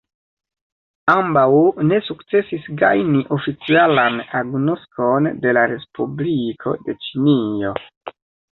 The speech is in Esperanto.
Ambaŭ ne sukcesis gajni oficialan agnoskon de la respubliko de Ĉinio.